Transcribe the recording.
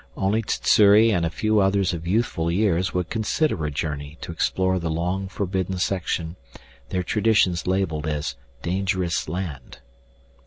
Only Sssuri and a few others of youthful years would consider a journey to explore the long forbidden section their traditions labeled as dangerous land.